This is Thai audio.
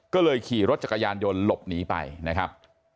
ก็เลยขี่รถจักรยานยนต์หลบหนีไปนะครับ